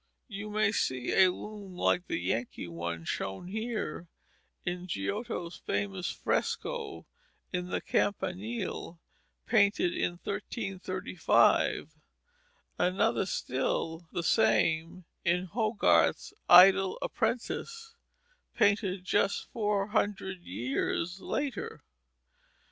You may see a loom like the Yankee one shown here in Giotto's famous fresco in the Campanile, painted in 1335; another, still the same, in Hogarth's Idle Apprentice, painted just four hundred years later.